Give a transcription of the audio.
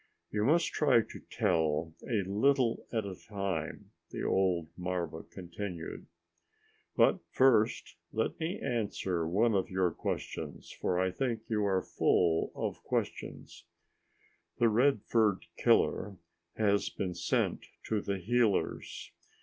"You must try to tell a little at a time," the old marva continued. "But first, let me answer one of your questions, for I think you are full of questions. The red furred killer has been sent to the healers.